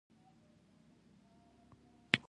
دوی د ترافیکو په برخه کې کار کوي.